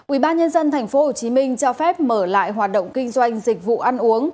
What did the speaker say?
ubnd tp hcm cho phép mở lại hoạt động kinh doanh dịch vụ ăn uống